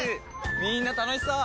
みんな楽しそう！